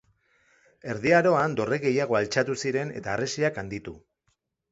Erdi Aroan dorre gehiago altxatu ziren eta harresiak handitu.